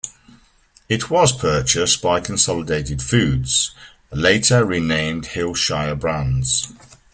It was purchased by Consolidated Foods, later renamed Hillshire Brands.